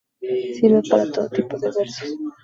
Sirve para todo tipo de versos.